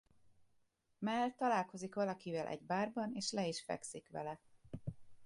Mel találkozik valakivel egy bárban és le is fekszik vele.